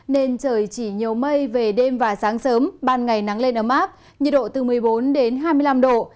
nên trời chỉ nhiều mây về đêm và sáng sớm ban ngày nắng lên ấm áp nhiệt độ từ một mươi bốn đến hai mươi năm độ